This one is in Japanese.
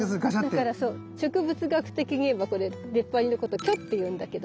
植物学的に言えばこれ出っ張りのこと「距」って言うんだけどさ。